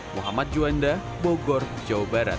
muhammad juanda bogor jawa barat